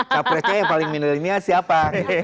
capresnya yang paling milenial siapa